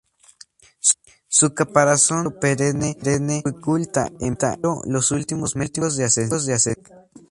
Su caparazón de hielo perenne dificulta, empero, los últimos metros de ascensión.